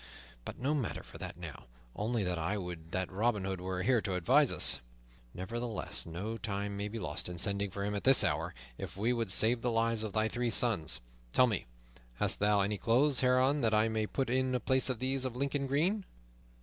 But no matter for that now; only that I would that Robin Hood were here to advise us. Nevertheless, no time may be lost in sending for him at this hour, if we would save the lives of thy three sons. Tell me, hast thou any clothes hereabouts that I may put on in place of these of Lincoln green?